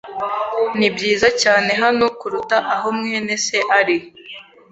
Ni byiza cyane hano kuruta aho mwene se ari.